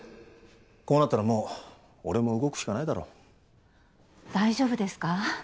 こうなったらもう俺も動くしかないだ大丈夫ですか？